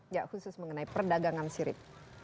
ya khusus mengenai perdagangan sirip